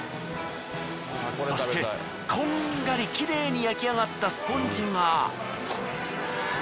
そしてこんがりきれいに焼き上がったスポンジが。